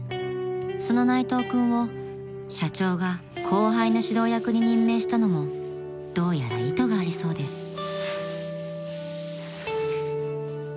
［その内藤君を社長が後輩の指導役に任命したのもどうやら意図がありそうです］